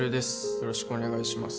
よろしくお願いします